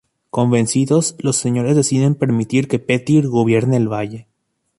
Convencidos, los señores deciden permitir que Petyr gobierne el Valle.